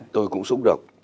tôi cũng xúc động